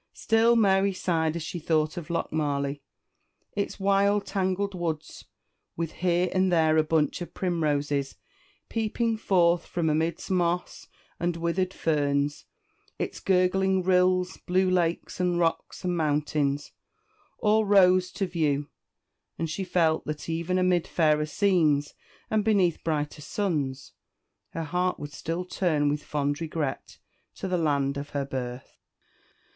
Still Mary sighed as she thought of Lochmarlie its wild tangled woods, with here and there a bunch of primroses peeping forth from amidst moss and withered ferns its gurgling rills, blue lakes, and rocks, and mountains all rose to view; and she felt that, even amid fairer scenes, and beneath brighter suns, her heart would still turn with fond regret to the land of her birth.